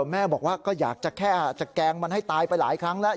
แม่บอกว่าก็อยากจะแค่จะแกล้งมันให้ตายไปหลายครั้งแล้ว